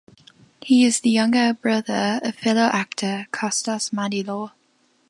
He is the younger brother of fellow actor Costas Mandylor.